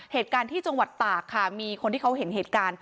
เหตุการณ์ที่จังหวัดตากค่ะมีคนที่เขาเห็นเหตุการณ์